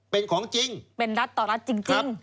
เป็นของจริงเป็นรัฐต่อรัฐจริง